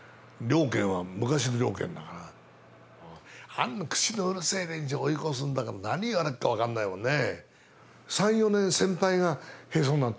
あんな口のうるせえ連中追い越すんだから何言われるか分かんないもんね。